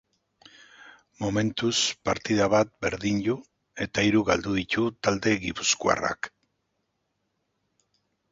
Momentuz, partida bat berdindu eta hiru galdu ditu talde gipuzkoarrak.